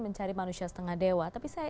mencari manusia setengah dewa tapi saya